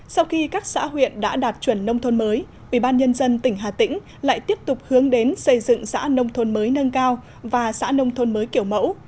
sau khi các xã huyện đã đạt chuẩn nông thôn mới ubnd tỉnh hà tĩnh lại tiếp tục hướng đến xây dựng xã nông thôn mới nâng cao và xã nông thôn mới kiểu mẫu